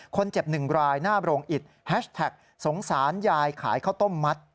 คนเจ็บหนึ่งรายหน้าโรงอิจแฮชแท็กสงสารยายขายข้าวต้มมัส